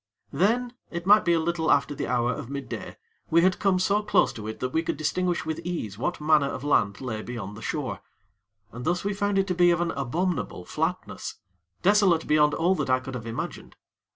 Then, it might be a little after the hour of midday, we had come so close to it that we could distinguish with ease what manner of land lay beyond the shore, and thus we found it to be of an abominable flatness, desolate beyond all that I could have imagined.